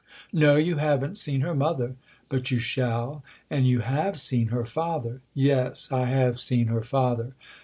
" No, you haven't seen her mother. But you shall. And you have seen her father." " Yes, I have seen her father."